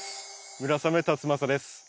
村雨辰剛です。